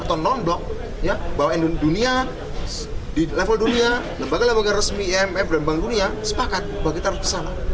atau non blok bahwa dunia di level dunia lembaga lembaga resmi imf dan bank dunia sepakat bahwa kita harus bersama